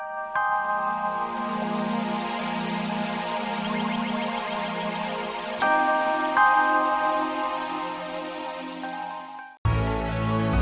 iya denger juga